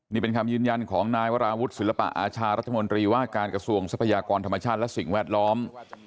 นี่เป็นคำยืนยันของนายวราวุฒิศิลปะอาชารัฐมนตรีว่าการกระทรวงทรัพยากรธรรมชาติและสิ่งแวดล้อม